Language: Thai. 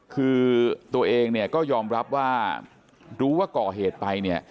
คือตัวเองเนี่ยก็ยอมรับว่ารู้ว่าก่อเหตุไปเนี่ย